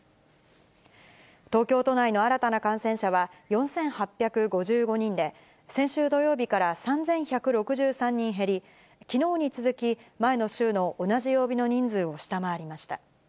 東京都内の新たな感染者は４８５５人で、先週土曜日から３１６３人減り、きのうに続き、前の週の同じ曜日の人数を下回りました。